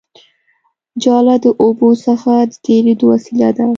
جاله د اوبو څخه د تېرېدو وسیله ده